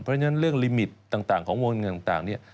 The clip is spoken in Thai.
เพราะฉะนั้นเรื่องลิมิตต่างของวงเงินต่างเนี่ย